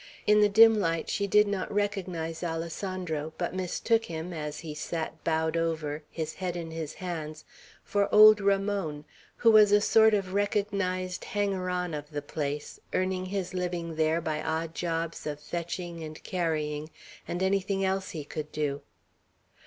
In the dim light she did not recognize Alessandro, but mistook him, as he sat bowed over, his head in his hands, for old Ramon, who was a sort of recognized hanger on of the place, earning his living there by odd jobs of fetching and carrying, and anything else he could do.